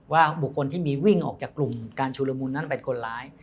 ว่าบุคคลที่มีวิ่งออกจากกลุ่มการชุลมุนนั้นเป็นคนร้าย